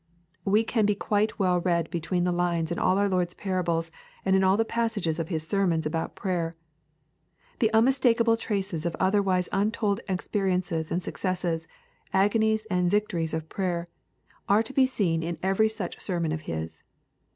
We can quite well read between the lines in all our Lord's parables and in all the passages of His sermons about prayer. The unmistakable traces of otherwise untold enterprises and successes, agonies and victories of prayer, are to be seen in every such sermon of His.